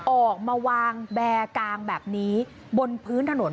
ออกมาวางแบร์กางแบบนี้บนพื้นถนน